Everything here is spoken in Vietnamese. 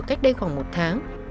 cách đây khoảng một tháng